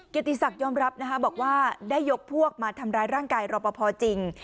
ติศักดิยอมรับนะคะบอกว่าได้ยกพวกมาทำร้ายร่างกายรอปภจริง